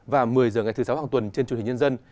và một mươi h ngày thứ sáu hàng tuần trên chương trình nhân dân